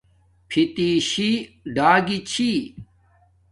فیتشی ڈا گی چھی